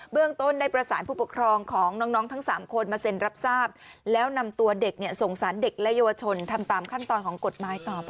เบื้องต้นได้ประสานผู้ปกครองของน้องทั้ง๓คนมาเซ็นรับทราบ